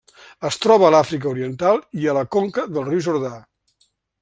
Es troba a l'Àfrica Oriental i a la conca del riu Jordà.